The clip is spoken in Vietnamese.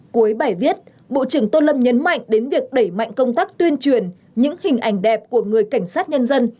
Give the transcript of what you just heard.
cuối bài viết bộ trưởng tô lâm nhấn mạnh đến việc đẩy mạnh công tác tuyên truyền những hình ảnh đẹp của người cảnh sát nhân dân